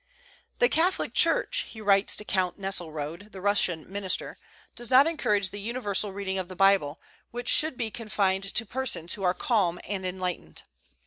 "The Catholic Church," he writes to Count Nesselrode, the Russian minister, "does not encourage the universal reading of the Bible, which should be confined to persons who are calm and enlightened."